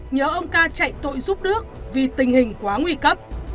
nhớ ông ca chạy tội giúp nước vì tình hình quá nguy cấp